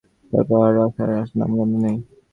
তারপর আর আসার নামগন্ধ নেই।